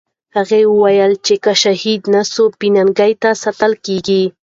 هغې وویل چې که شهید نه سي، بې ننګۍ ته ساتل کېږي.